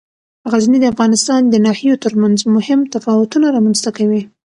غزني د افغانستان د ناحیو ترمنځ مهم تفاوتونه رامنځ ته کوي.